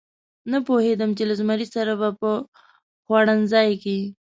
نه پوهېدم چې له زمري سره به په خوړنځای کې.